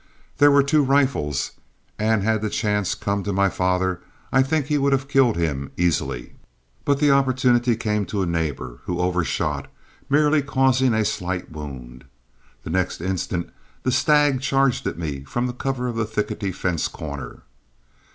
There were two rifles, and had the chance come to my father, I think he would have killed him easily; but the opportunity came to a neighbor, who overshot, merely causing a slight wound. The next instant the stag charged at me from the cover of the thickety fence corner.